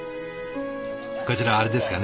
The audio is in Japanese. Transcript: こちらあれですかね？